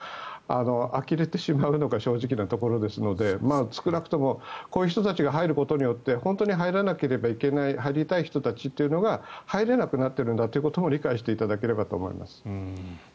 ちょっと、あきれてしまうのが正直なところですので少なくともこういう人たちが入ることによって本当に入らなければいけない人入るべき人たちが入れなくなっているんだということも理解していただければと思います。